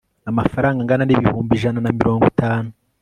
amafaranga angana n'ibihumbi ijana na mirongo itanu